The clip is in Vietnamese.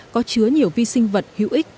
có chứa nhiều vi sinh vật hữu ích